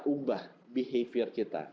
ubah behavior kita